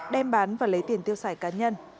đem bán và lấy tiền tiêu sải cá nhân